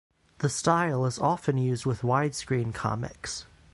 The style is often used with widescreen comics.